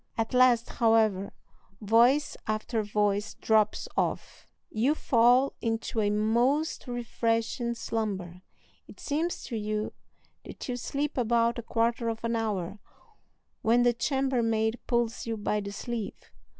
At last, however, voice after voice drops off; you fall into a most refreshing slumber; it seems to you that you sleep about a quarter of an hour, when the chambermaid pulls you by the sleeve.